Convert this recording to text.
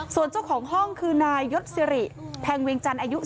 ส่วนเจ้าของห้องคือนายยศสิริแพงเวียงจันทร์อายุ